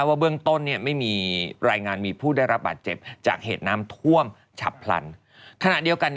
เต้นต่อผมฟังอยู่ครับตื่นเต้น